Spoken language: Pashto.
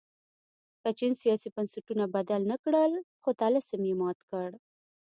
که چین سیاسي بنسټونه بدل نه کړل خو طلسم یې مات کړ.